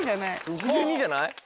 ６２じゃない？